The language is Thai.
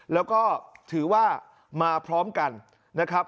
แล้วก็ถือว่ามาพร้อมกันนะครับ